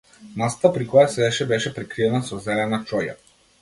Масата при која седеше беше прекриена со зелена чоја.